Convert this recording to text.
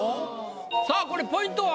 さあこれポイントは？